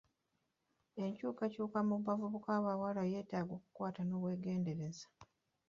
Enkyukakyuka mu bavubuka abawala eyagala okukwata n'obwegendereza.